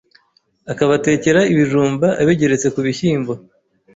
akabatekera ibijumba abigeretse ku bishyimbo.